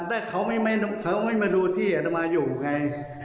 แต่เขาไม่มาดูที่อัตมาอยู่ไง